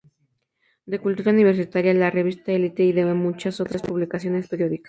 De Cultura Universitaria, de la revista Elite y de muchas otras publicaciones periódicas.